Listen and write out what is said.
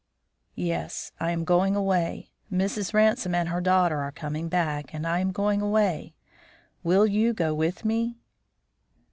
"Yes, I am going away. Mrs. Ransome and her daughter are coming back and I am going away. Will you go with me?"